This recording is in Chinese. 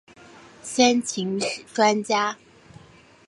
先秦史专家。